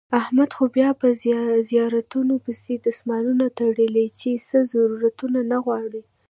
احمد خو بیا په زیارتونو پسې دسمالونه تړي چې څه ضرورتو نه غواړي.